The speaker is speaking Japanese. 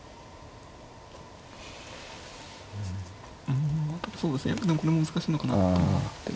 うんまあ多分そうですねでもこれも難しいのかなと思って。